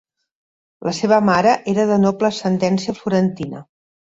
La seva mare era de noble ascendència florentina.